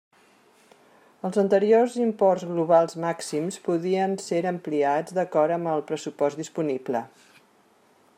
Els anteriors imports globals màxims podien ser ampliats d'acord amb el pressupost disponible.